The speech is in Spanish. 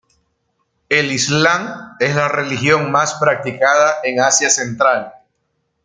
El islam es la religión más practicada en Asia Central.